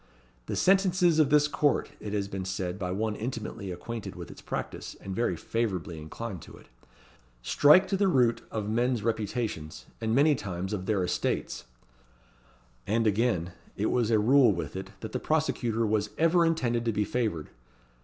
"The sentences of this court," it has been said by one intimately acquainted with its practice, and very favourably inclined to it, "strike to the root of men's reputations, and many times of their estates;" and, again, it was a rule with it, that the prosecutor "was ever intended to be favoured."